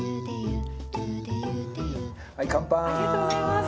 ありがとうございます。